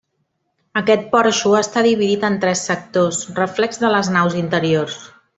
Aquest porxo està dividit en tres sectors, reflex de les naus interiors.